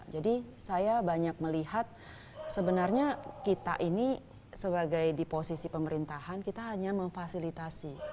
jadi saya banyak melihat sebenarnya kita ini sebagai di posisi pemerintahan kita hanya memfasilitasi